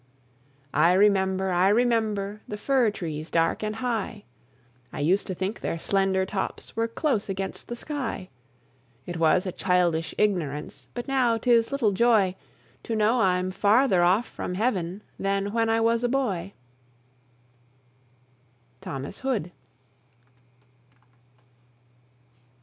I remember, I remember The fir trees dark and high; I used to think their slender tops Were close against the sky: It was a childish ignorance, But now 'tis little joy To know I'm farther off from Heaven Than when I was a boy. THOMAS HOOD.